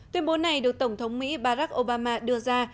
tuyên bố này được tổng thống mỹ barack obama đưa ra